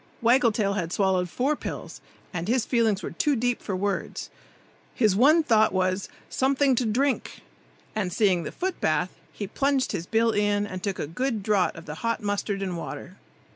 Waggle tail had swallowed four pills, and his feelings were too deep for words. His one thought was "something to drink!" and seeing the foot bath, he plunged his bill in and took a good draught of the hot mustard and water.